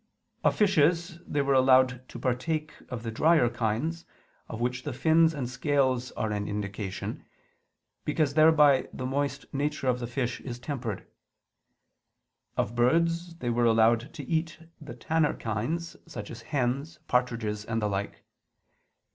Of fishes they were allowed to partake of the drier kinds, of which the fins and scales are an indication, because thereby the moist nature of the fish is tempered. Of birds they were allowed to eat the tamer kinds, such as hens, partridges, and the like.